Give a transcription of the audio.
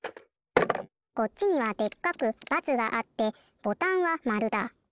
こっちにはでっかく×があってボタンは○だ。